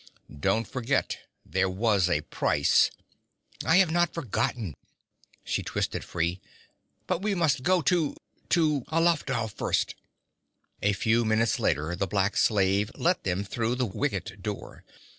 'Don't forget there was a price ' 'I have not forgotten!' She twisted free. 'But we must go to to Alafdhal first!' A few minutes later the black slave let them through the wicket door.